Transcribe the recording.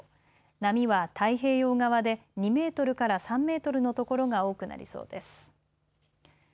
波は太平洋側で２メートルから３メートルの所が多くなりそうです。